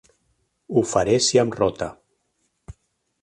Ho faré si em rota.